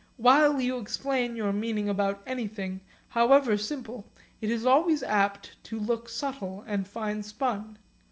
While you explain your meaning about anything, however simple, it is always apt to look subtle and fine spun.